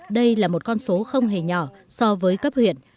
đây là một con số không hề nhỏ so với cấp huyện